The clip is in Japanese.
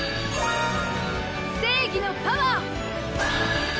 正義のパワー！